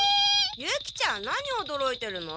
ユキちゃん何おどろいてるの？